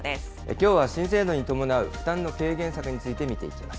きょうは新制度に伴う負担の軽減策について見ていきます。